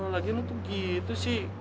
lagian lo tuh gitu sih